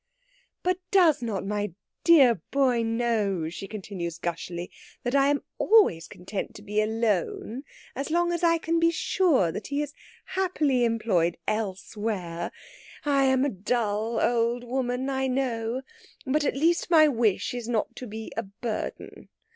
"But does not my dear boy know," she continues gushily, "that I am _al_ways content to be alone as long as I can be sure that he is happily employed elsewhere. I am a dull old woman, I know; but, at least, my wish is not to be a burden.